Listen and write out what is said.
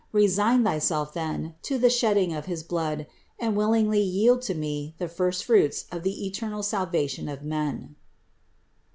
Resign thyself, then, to the shedding of his blood and willingly yield to Me the first fruits of the eternal salvation of men."